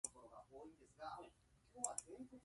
すみませんでした